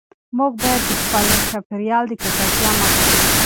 موږ باید د خپل چاپیریال د ککړتیا مخه ونیسو.